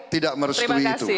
tidak merestui itu